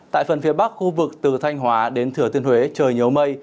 tại phần phía bắc khu vực từ thanh hóa đến thừa tiên huế trời nhiều mây